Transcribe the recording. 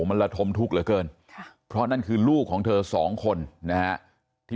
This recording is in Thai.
มันระทมทุกข์เหลือเกินค่ะเพราะนั่นคือลูกของเธอสองคนนะฮะที่